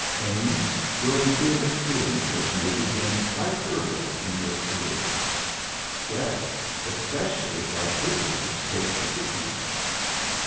Haines, your Indian experiences may begin quite early in your career." "Yes, especially if our prisoners take to kicking."